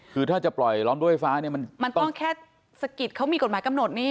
คือถ้าจะปล่อยร้อนด้วยฟ้าเนี่ยมันต้องแค่สะกิดเขามีกฎหมายกำหนดนี่